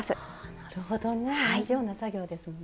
なるほどね同じような作業ですもんね。